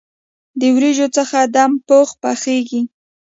له وریجو څخه دم پخ پخیږي.